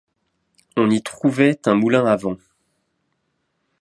On y trouvait un moulin à vent.